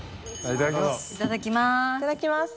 いただきます。